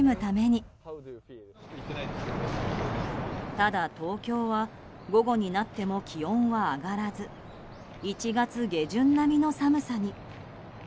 ただ、東京は午後になっても気温は上がらず１月下旬並みの寒さに。